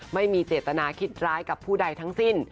ไม่มีเจตนาคิดร้ายกับผู้ใดทั้งสิ้น